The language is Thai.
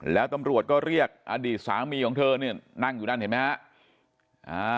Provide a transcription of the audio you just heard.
แล้วตำรวจก็เรียกอดีตสามีของเธอเนี่ยนั่งอยู่นั่นเห็นไหมฮะ